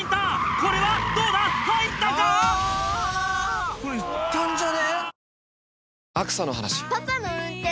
これ行ったんじゃね？